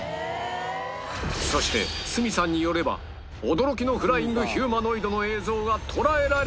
そして角さんによれば驚きのフライングヒューマノイドの映像が捉えられたという